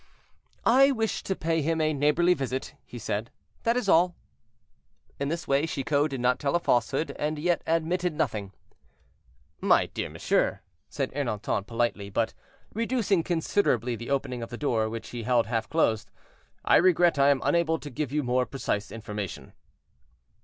"I wished to pay him a neighborly visit," he said, "that is all." In this way, Chicot did not tell a falsehood, and yet admitted nothing. "My dear monsieur," said Ernanton politely, but reducing considerably the opening of the door which he held half closed, "I regret I am unable to give you more precise information."